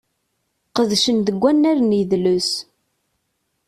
Qedcen deg unnar n yidles.